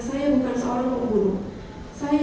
saya bukan seorang pembunuh saya